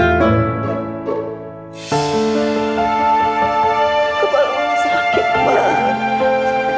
kemungkinan itu ada pak